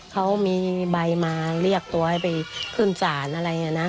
เขามีใบมาเรียกตัวให้ไปขึ้นศาลอะไรนะ